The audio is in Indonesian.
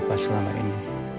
pada saat ini